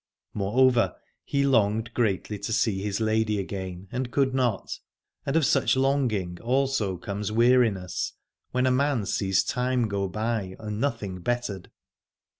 More over he longed greatly to see his lady again, and could not : and of such longing also comes weariness, when a man sees time go by and nothing bettered.